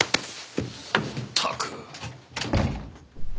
ったく。